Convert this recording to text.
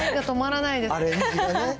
止まらないです。